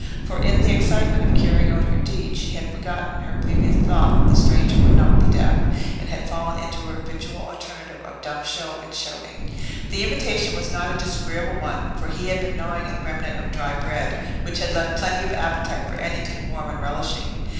For, in the excitement of carrying out her deed, she had forgotten her previous thought that the stranger would not be deaf, and had fallen into her habitual alternative of dumb show and shouting. The invitation was not a disagreeable one, for he had been gnawing a remnant of dry bread, which had left plenty of appetite for anything warm and relishing.